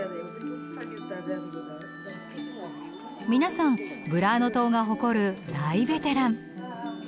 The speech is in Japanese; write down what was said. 皆さんブラーノ島が誇る大ベテラン。